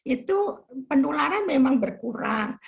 itu penularan memang berkurang